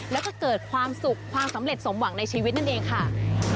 แล้วก็เกิดความสุขความสำเร็จสมหวังในชีวิตนั่นเองค่ะ